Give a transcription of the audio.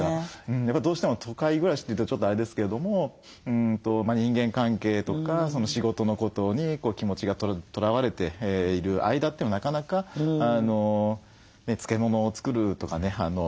やっぱどうしても都会暮らしというとちょっとあれですけれども人間関係とか仕事のことに気持ちがとらわれている間というのはなかなか漬物を作るとかね